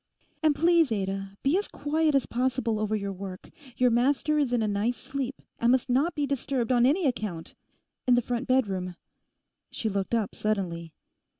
'And please, Ada, be as quiet as possible over your work; your master is in a nice sleep, and must not be disturbed on any account. In the front bedroom.' She looked up suddenly.